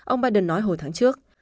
ông biden nói hồi tháng trước